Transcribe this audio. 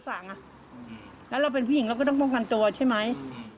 แล้วเราเป็นผู้หญิงเราก็ต้องป้องกันตัวใช่ไหม